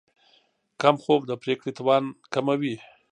کم خوب د پرېکړې توان کموي.